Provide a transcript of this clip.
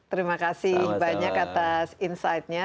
terima kasih banyak atas insightnya